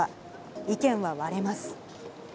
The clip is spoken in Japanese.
意見は割れます。